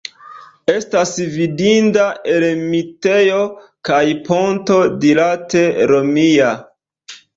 Estas vidinda ermitejo kaj ponto dirate romia.